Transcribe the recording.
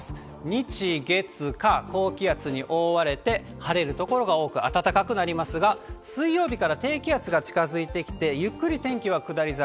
日、月、火、高気圧に覆われて、晴れる所が多く、暖かくなりますが、水曜日から低気圧が近づいてきて、ゆっくり天気は下り坂。